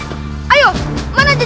sampai jumpa lagi